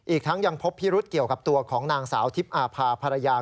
อีกทั้งยังพบพิรุษเกี่ยวกับตัวของนางสาวทิพย์อาภาพรยา